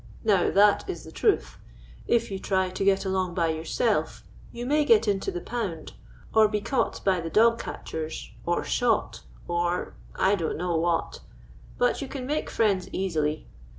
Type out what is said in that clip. Now, that is the truth. If you try to get along by yourself, you may get into the pound, or be caught by the dog catchers, or shot, or — I don't know what. But you can make friends easily.